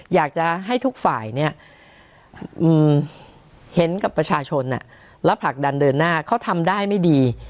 อยากจะให้ทุกฝ่ายเห็นกับประชาชนและผลักดันเดินหน้าเขาทำได้ไม่ดี